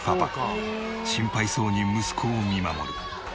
心配そうに息子を見守る。